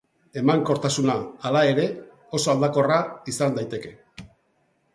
Emankortasuna, hala ere, oso aldakorra izan daiteke.